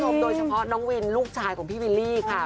โดยเฉพาะน้องวินลูกชายของพี่วิลลี่ค่ะ